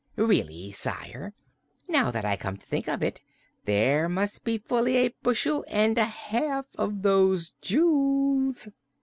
Really, Sire, now that I come to think of it, there must be fully a bushel and a half of those jewels!"